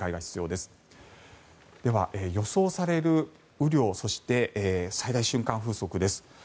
では予想される雨量そして、最大瞬間風速です。